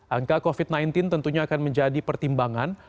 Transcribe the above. angka covid sembilan belas tentunya akan menjadi pertimbangan